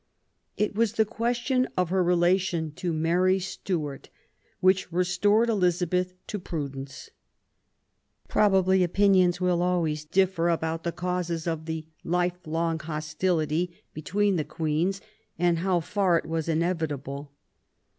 It was the question of her relation to Mary Stuart which restored Elizabeth to prudence. Probably opinions will always differ about the causes of the life long hostility between the Queens, and how far it was inevitable.